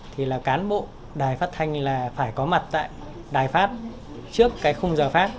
thì là cán bộ đài phát thanh là phải có mặt tại đài phát trước cái khung giờ phát